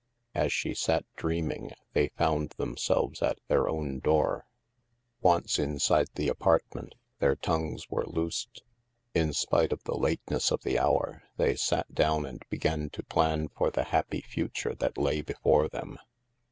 As she sat dreaming, they found themselves at their own door. Once inside the apartment, their tongues were loosed. In spite of the lateness of the hour, they sat down and began to plan for the happy future that lay before them.